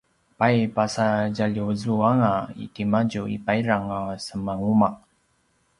pay pasatjaljuzuanga timadju i payrang a semanuma’